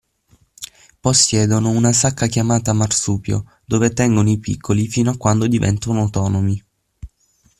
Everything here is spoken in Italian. Possiedono una sacca chiamata Marsupio dove tengono i piccoli fino a quando diventano autonomi.